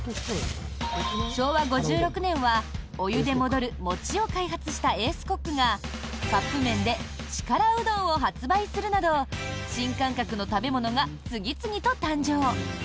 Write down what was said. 昭和５６年は、お湯で戻る餅を開発したエースコックがカップ麺で力うどんを発売するなど新感覚の食べ物が次々と誕生。